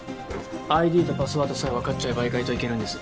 ＩＤとパスワードさえわかっちゃえば意外といけるんです。